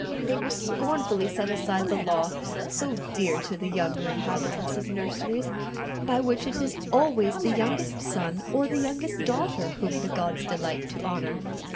They will scorn fully set aside the law, so dear to the younger inhabitants of nurseries, by which it is always the youngest son or the youngest daughter whom the gods delight to honour.